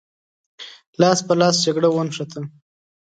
لاس په لاس جګړه ونښته.